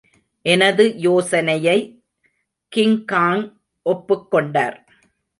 எனது யோசனையை கிங்காங் ஒப்புக் கொண்டார்.